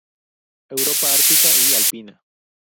Europa ártica y alpina.